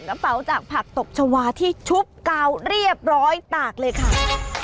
กระเป๋าจากผักตบชาวาที่ชุบกาวเรียบร้อยตากเลยค่ะ